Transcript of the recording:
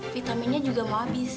vita minnya juga mau habis